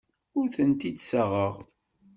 Ur tent-id-ssaɣeɣ.